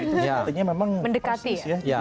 artinya memang fokus ya